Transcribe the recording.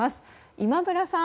今村さん！